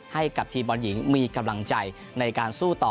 ให้กับทีมบอลหญิงมีกำลังใจในการสู้ต่อ